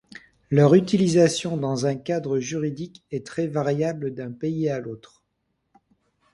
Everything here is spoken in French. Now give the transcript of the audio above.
Leur utilisation dans un cadre juridique est très variable d'un pays à l'autre.